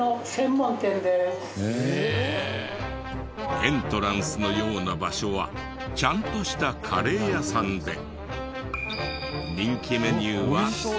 エントランスのような場所はちゃんとしたカレー屋さんで人気メニューはこちら。